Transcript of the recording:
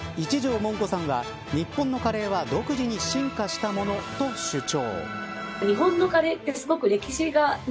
もんこさんは日本のカレーは独自に進化したものと主張。